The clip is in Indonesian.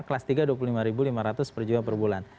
kelas tiga rp dua puluh lima lima ratus per jiwa per bulan